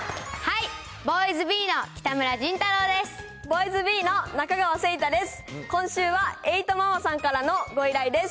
ボーイズビーの北村仁太郎です。